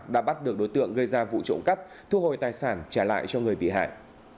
đã bắt được đối tượng gây ra vụ trộm cắp thu hồi tài sản trả lại cho người bị hại